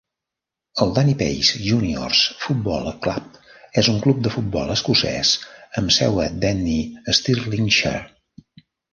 El Dunipace Juniors Football Club és un club de futbol escocès amb seu a Denny, Stirlingshire.